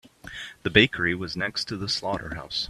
The bakery was next to the slaughterhouse.